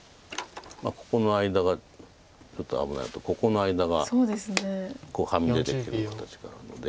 ここの間がちょっと危ないのとここの間がはみ出てくる形があるので。